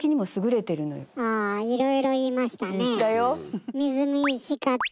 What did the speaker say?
いろいろ言いましたね。